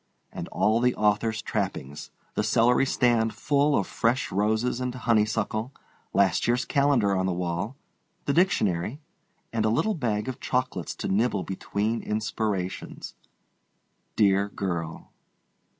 And all the author's trappings—the celery stand full of fresh roses and honeysuckle, last year's calendar on the wall, the dictionary, and a little bag of chocolates to nibble between inspirations. Dear girl!